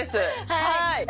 はい！